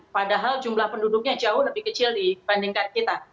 padahal jumlah penduduknya jauh lebih kecil dibandingkan kita